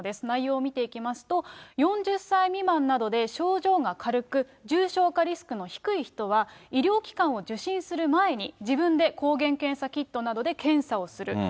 内容を見ていきますと、４０歳未満などで症状が軽く、重症化リスクの低い人は、医療機関を受診する前に、自分で抗原検査キットなどで検査をする。